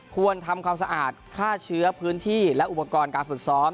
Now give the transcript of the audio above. ควรทำความสะอาดฆ่าเชื้อพื้นที่และอุปกรณ์การฝึกซ้อม